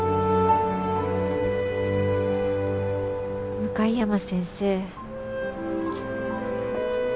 向山先生。